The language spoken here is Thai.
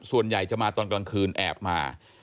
ส่วนใหญ่จะมาตอนกลางคืนแอบมา